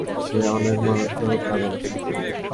সে অনেক মানুষকে হত্যা করেছে।